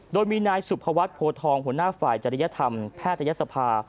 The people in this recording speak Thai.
โดยมีนายสุภวัฒน์โพทองหัวหน้าฝ่ายจริยธรรมแพทยศภา